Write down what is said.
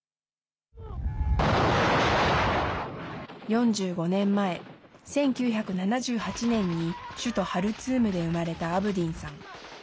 ４５年前、１９７８年に首都ハルツームで生まれたアブディンさん。